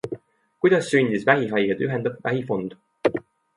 Kuidas sündis vähihaigeid ühendav vähifond?